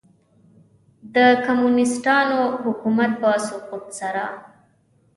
د کمونیسټانو حکومت په سقوط سره.